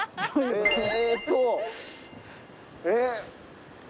えーっとえっ。